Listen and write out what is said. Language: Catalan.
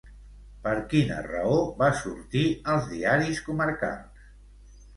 Per quina raó va sortir als diaris comarcals?